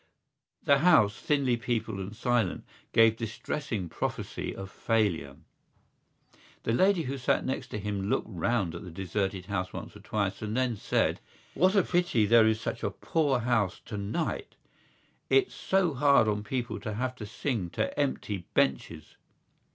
The house, thinly peopled and silent, gave distressing prophecy of failure. The lady who sat next him looked round at the deserted house once or twice and then said: "What a pity there is such a poor house tonight! It's so hard on people to have to sing to empty benches."